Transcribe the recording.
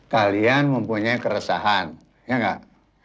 kalian mempunyai keresahan ya enggak